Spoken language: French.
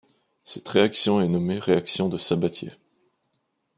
Cette réaction est nommée réaction de Sabatier.